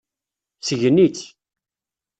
Sgen-itt.